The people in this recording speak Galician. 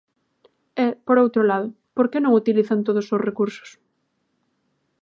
E, por outro lado, ¿por que non utilizan todos os recursos?